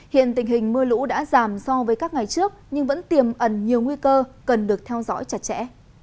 hiện tình hình mưa lũ đã giảm so với các ngày trước nhưng vẫn tiềm ẩn nhiều nguy cơ cần được theo dõi chặt chẽ